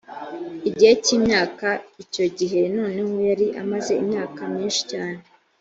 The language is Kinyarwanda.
igihe cy imyaka icyo gihe noneho yari amaze imyaka myinci cyane